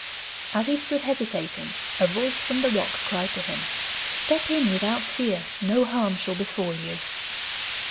As he stood hesitating, a voice from the rock cried to him: 'Step in without fear, no harm shall befall you.